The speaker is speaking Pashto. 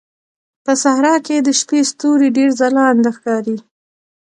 په صحراء کې د شپې ستوري ډېر ځلانده ښکاري.